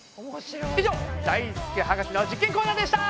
以上だいすけ博士の実験コーナーでした！